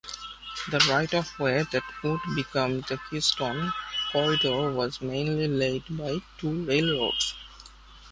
The right-of-way that would become the Keystone Corridor was mainly laid by two railroads.